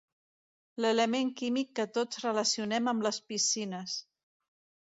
L'element químic que tots relacionem amb les piscines.